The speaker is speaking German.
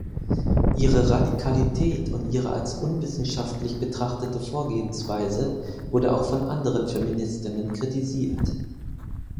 Ihre Radikalität und ihre als unwissenschaftlich betrachtete Vorgehensweise wurde auch von anderen Feministinnen kritisiert.